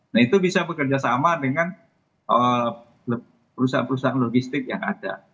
nah itu bisa bekerja sama dengan perusahaan perusahaan logistik yang ada